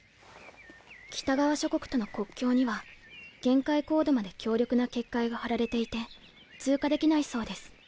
北側諸国との国境には限界高度まで強力な結界が張られていて通過できないそうです。